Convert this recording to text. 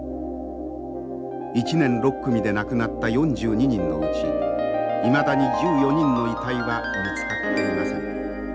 １年６組で亡くなった４２人のうちいまだに１４人の遺体は見つかっていません。